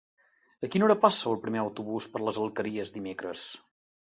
A quina hora passa el primer autobús per les Alqueries dimecres?